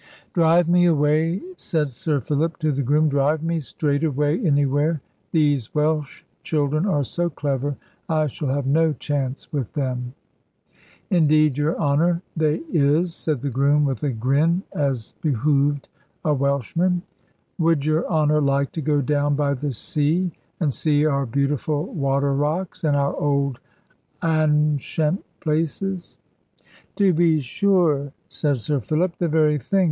"Drive me away," said Sir Philip to the groom; "drive me straight away anywhere: these Welsh children are so clever, I shall have no chance with them." "Indeed, your Honour, they is," said the groom with a grin, as behoved a Welshman. "Would your Honour like to go down by the sea, and see our beautiful water rocks, and our old annshent places?" "To be sure," said Sir Philip; "the very thing.